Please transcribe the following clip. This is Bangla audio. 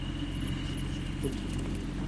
আমি বেশিক্ষণ হাঁটতে গেলে অনেক শ্বাসকষ্ট হয়।